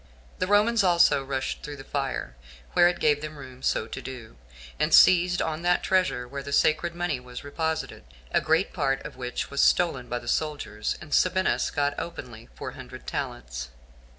The Romans also rushed through the fire, where it gave them room so to do, and seized on that treasure where the sacred money was reposited; a great part of which was stolen by the soldiers, and Sabinus got openly four hundred talents.